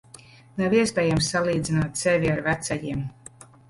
Nav iespējams salīdzināt sevi ar vecajiem.